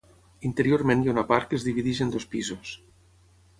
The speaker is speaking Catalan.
Interiorment hi ha una part que es divideix en dos pisos.